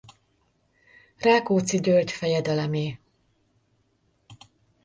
Rákóczi György fejedelemé.